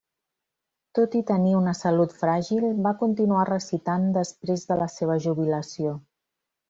Tot i tenir una salut fràgil, va continuar recitant després de la seva jubilació.